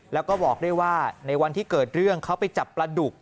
แล้วก็บอกด้วยว่าในวันที่เกิดเรื่องเขาไปจับปลาดุก